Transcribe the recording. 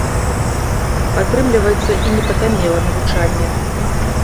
Атрымліваецца і не патаннела навучанне.